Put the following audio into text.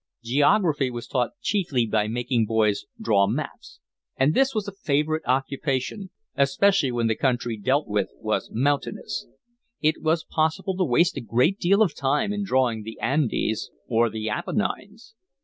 Geography was taught chiefly by making boys draw maps, and this was a favourite occupation, especially when the country dealt with was mountainous: it was possible to waste a great deal of time in drawing the Andes or the Apennines.